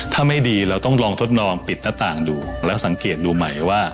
ถ้าไม่ดีเราต้องลองทดลองปิดหน้าต่างดูแล้วสังเกตดูใหม่ว่า